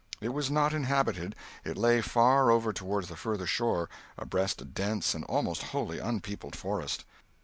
It was not inhabited; it lay far over toward the further shore, abreast a dense and almost wholly unpeopled forest.